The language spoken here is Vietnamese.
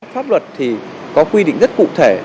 pháp luật thì có quy định rất cụ thể